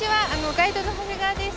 ガイドの長谷川です。